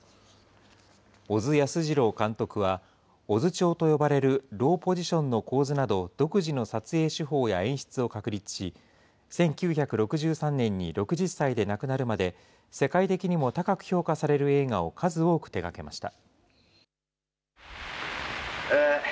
小津安二郎監督は、小津調と呼ばれるローポジションの構図など、独自の撮影手法や演出を確立し、１９６３年に６０歳で亡くなるまで、世界的にも高く評価される映画を数多く手がけました。